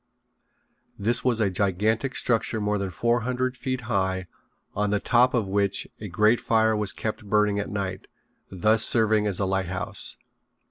This was a gigantic structure more than four hundred feet high on the top of which a great fire was kept burning at night, thus serving as a lighthouse.